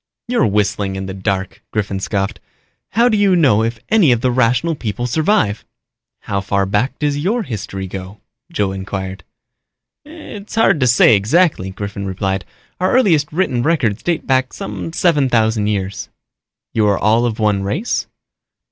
"You're whistling in the dark," Griffin scoffed. "How do you know if any of the Rational People survive?" "How far back does your history go?" Joe inquired. "It's hard to say exactly," Griffin replied. "Our earliest written records date back some seven thousand years." "You are all of one race?"